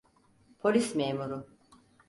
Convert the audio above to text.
Polis memuru.